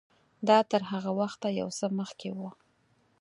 دا تر هغه وخته یو څه مخکې و.